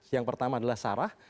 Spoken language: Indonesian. yang pertama adalah sarah